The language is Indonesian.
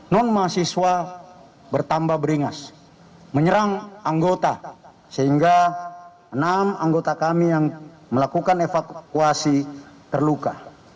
non mahasiswa bertambah beringas menyerang anggota sehingga enam anggota kami yang melakukan evakuasi terluka